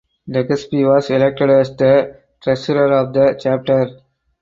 Legaspi was elected as the Treasurer of the chapter.